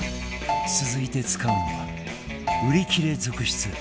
続いて使うのは売り切れ続出